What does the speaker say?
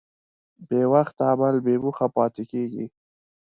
بېوخت عمل بېموخه پاتې کېږي.